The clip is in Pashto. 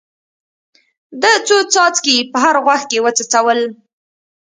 ده څو څاڅکي په هر غوږ کې وڅڅول.